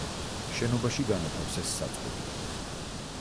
შენობაში განათავსეს საწყობი.